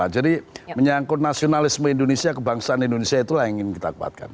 jadi menyangkut nasionalisme indonesia kebangsaan indonesia itulah yang ingin kita kembalikan